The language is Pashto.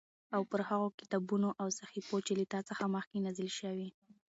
او پر هغو کتابونو او صحيفو چې له تا څخه مخکې نازل شوي